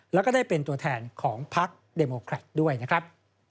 แล้วก็ได้เป็นตัวแทนของพักเดโมแครตด้วยนะครับ